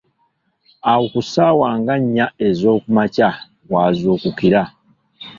Awo ku ssaawa nga nnya ez’okumakya w’azuukukira.